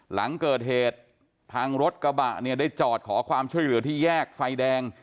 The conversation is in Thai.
หลังเกิดเหตุทางรถกระบะเนี่ยได้จอดขอความช่วยเหลือที่แยกไฟแดง